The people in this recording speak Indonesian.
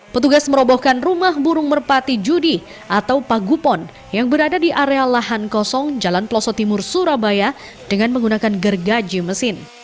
petugas merobohkan rumah burung merpati judi atau pagupon yang berada di area lahan kosong jalan peloso timur surabaya dengan menggunakan gergaji mesin